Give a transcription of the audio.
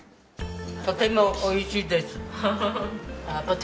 とても美味しいです。